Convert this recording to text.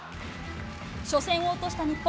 初戦を落とした日本。